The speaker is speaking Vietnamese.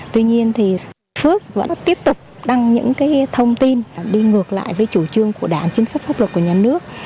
tuy nhiên thì phước vẫn tiếp tục đăng những thông tin đi ngược lại với chủ trương của đảng chính sách pháp luật của nhà nước